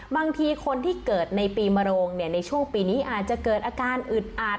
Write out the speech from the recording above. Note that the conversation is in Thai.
บางทีคนที่เกิดในปีมโรงในช่วงปีนี้อาจจะเกิดอาการอึดอาด